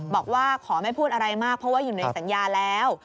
บอกว่าขอไม่พูดอะไรมากเพราะว่าอยู่ในสัญญาแล้ว